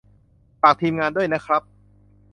ฝาก ทีมงาน ด้วยนะครับ